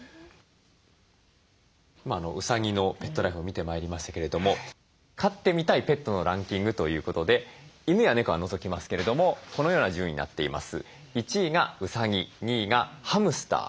今うさぎのペットライフを見てまいりましたけれども飼ってみたいペットのランキングということで犬や猫は除きますけれどもこのような順位になっています。